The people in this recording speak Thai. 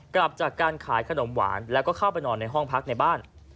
กลับจากการขายขนมหวานแล้วก็เข้าไปนอนในห้องพักในบ้าน